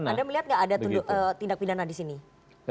anda melihat nggak ada tindak pidana di sini